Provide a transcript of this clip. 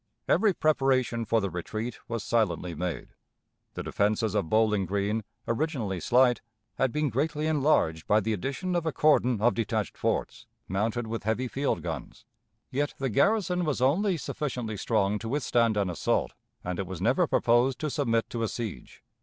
Every preparation for the retreat was silently made. The defenses of Bowling Green, originally slight, had been greatly enlarged by the addition of a cordon of detached forts, mounted with heavy field guns; yet the garrison was only sufficiently strong to withstand an assault, and it was never proposed to submit to a siege.